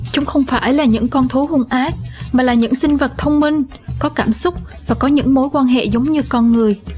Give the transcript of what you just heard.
chúng không phải là những con thú hung ác mà là những sinh vật thông minh có cảm xúc và có những mối quan hệ giống như con người